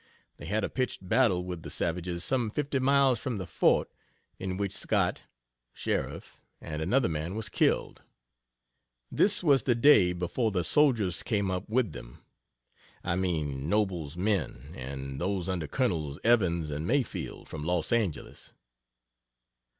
They had a pitched battle with the savages some fifty miles from the fort, in which Scott (sheriff) and another man was killed. This was the day before the soldiers came up with them. I mean Noble's men, and those under Cols. Evans and Mayfield, from Los Angeles.